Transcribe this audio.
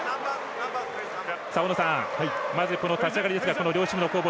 大野さん、まず立ち上がりですが両チームの攻防